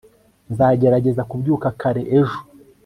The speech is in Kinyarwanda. nzagerageza kubyuka kare ejo